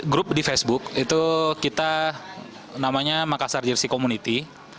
grup di facebook itu kita namanya makassar jersey community